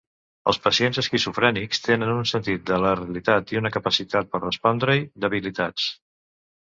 Els pacients esquizofrènics tenen un sentit de la realitat i una capacitat per respondre-hi debilitats.